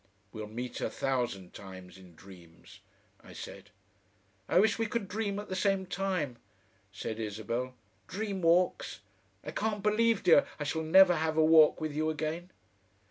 "We'll meet a thousand times in dreams," I said. "I wish we could dream at the same time," said Isabel.... "Dream walks. I can't believe, dear, I shall never have a walk with you again."